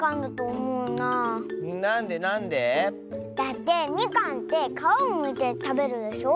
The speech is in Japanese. なんでなんで？だってみかんってかわをむいてたべるでしょ。